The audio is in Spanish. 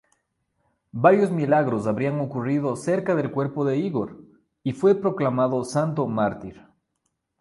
Varios milagros habrían ocurrido cerca del cuerpo de Ígor, y fue proclamado santo mártir.